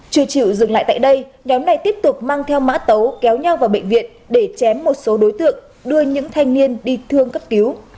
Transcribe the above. trừ chiều dừng lại tại đây nhóm này tiếp tục mang theo mã tấu kéo nhau vào bệnh viện để chém một số đối tượng đưa những thanh niên đi thương cấp cứu